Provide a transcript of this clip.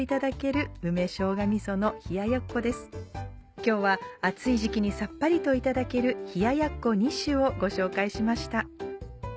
今日は暑い時期にさっぱりといただける冷ややっこ２種をご紹介しました。